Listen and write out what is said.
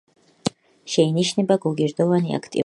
შეინიშნება გოგირდოვანი აქტივობები.